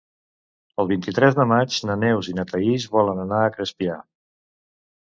El vint-i-tres de maig na Neus i na Thaís volen anar a Crespià.